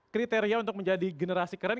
kriteria untuk menjadi generasi keren